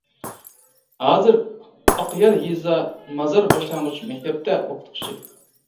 ھازىر ئاقيار يېزا مازار باشلانغۇچ مەكتەپتە ئوقۇتقۇچى.